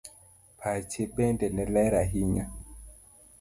Pache bende ne ler ahinya